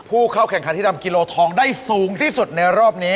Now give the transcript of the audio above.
ผู้เข้าแข่งขันที่ทำกิโลทองได้สูงที่สุดในรอบนี้